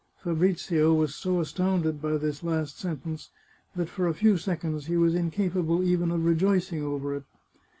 Fabrizio was so astounded by this last sentence that, for a few seconds, he was incapable even of rejoicing over it.